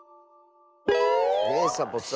ねえサボさん。